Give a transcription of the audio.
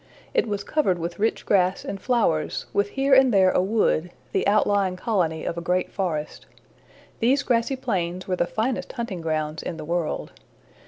It was covered with rich grass and flowers, with here and there a wood, the outlying colony of a great forest. These grassy plains were the finest hunting grounds in the world.